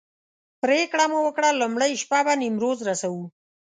پرېکړه مو وکړه لومړۍ شپه به نیمروز رسوو.